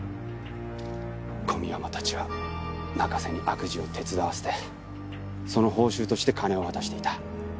小宮山たちは中瀬に悪事を手伝わせてその報酬として金を渡していた。